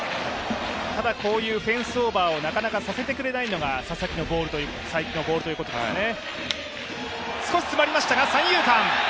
こういうフェンスオーバーをなかなかさせてくれないのが才木のボールということですね。